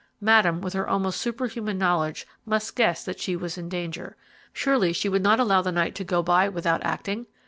Madame, with her almost superhuman knowledge, must guess that she was in danger. Surely, she would not allow the night to go by without acting?